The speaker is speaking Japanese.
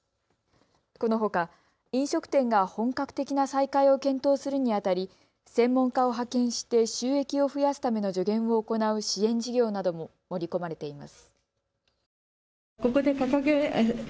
このほか飲食店が本格的な再開を検討するにあたり専門家を派遣して収益を増やすための助言を行う支援事業なども盛り込まれています。